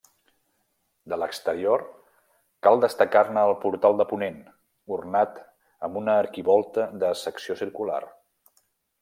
De l'exterior cal destacar-ne el portal de ponent, ornat amb una arquivolta de secció circular.